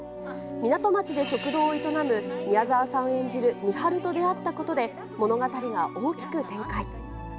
港町で食堂を営む、宮沢さん演じるみはると出会ったことで、物語が大きく展開。